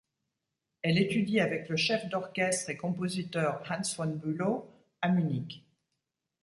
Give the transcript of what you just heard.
Elle étudie avec le chef d'orchestre et compositeur Hans von Bülow à Munich.